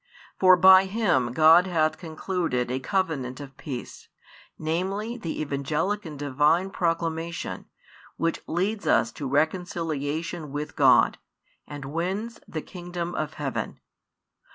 For by Him God hath concluded a covenant of peace, namely, the Evangelic and Divine proclamation, which leads us to reconciliation with God, and wins the kingdom of heaven.